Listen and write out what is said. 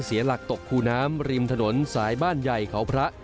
เสียหลักตกคูน้ำริมถนนสายบ้านใหญ่เขาพระ